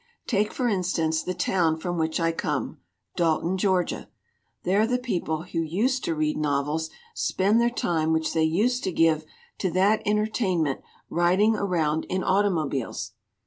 "Take, for instance, the town from which I come Dal ton, Georgia. There the people who used to read novels spend their time which they used to give to that entertainment riding around in automobiles.